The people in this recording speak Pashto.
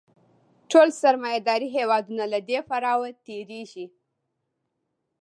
ټول سرمایه داري هېوادونه له دې پړاو تېرېږي